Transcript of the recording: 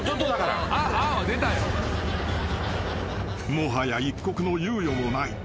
［もはや一刻の猶予もない］